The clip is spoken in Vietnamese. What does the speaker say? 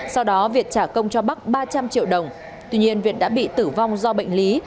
sau đó việt trả công cho bắc ba trăm linh triệu đồng tuy nhiên việt đã bị tử vong do bệnh lý